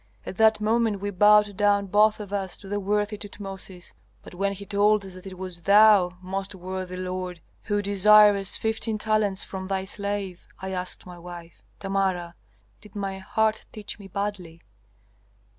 At that moment we bowed down both of us to the worthy Tutmosis. But when he told us that it was thou, most worthy lord, who desirest fifteen talents from thy slave, I asked my wife, 'Tamara, did my heart teach me badly?'